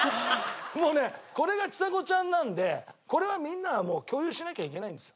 もうねこれがちさ子ちゃんなんでこれはみんなはもう共有しなきゃいけないんですよ。